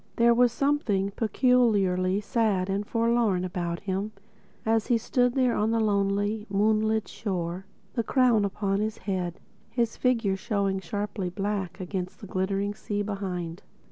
There was something peculiarly sad and forlorn about him as he stood there on the lonely, moonlit shore, the crown upon his head, his figure showing sharply black against the glittering sea behind.